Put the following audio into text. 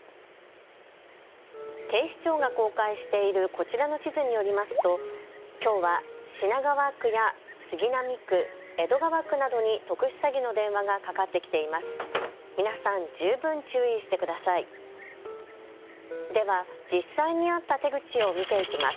警視庁が公開しているこちらの地図によりますときょうは品川区や杉並区、江戸川区などに特殊詐欺の電話がかかってきています。